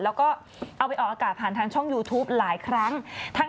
แล้วก็เอาไปออกอากาศผ่านทางช่องยูทูปหลายครั้ง